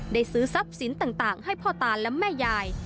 ซื้อทรัพย์สินต่างให้พ่อตาและแม่ยาย